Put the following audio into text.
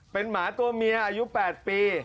เป็นหมาตัวเมียอายุ๘ปี